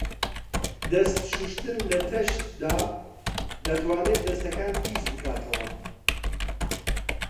دەست شوشتن لە تەشتدا دەتوانێت دەستەکان پیسبکاتەوە.